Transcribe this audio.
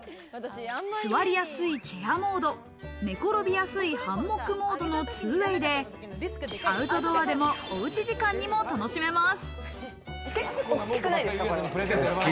座りやすいチェアモード、寝転びやすいハンモックモードの２ＷＡＹでアウトドアでも、おうち時間にも楽しめます。